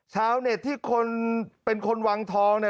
ชาวนี่ที่เป็นคนวังทองนะ